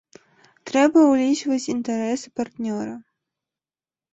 Трэба ўлічваць інтарэсы партнёра.